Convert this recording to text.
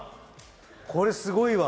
これすごいわ！